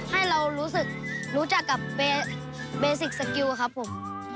ให้เรารู้จักกับเบสิกสะกิวครับผม